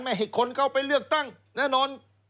ให้คนเข้าไปเลือกตั้งแน่นอน